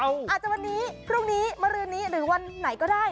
อาจจะวันนี้พรุ่งนี้มารืนนี้หรือวันไหนก็ได้